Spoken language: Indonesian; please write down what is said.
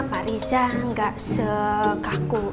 pak riza gak sekaku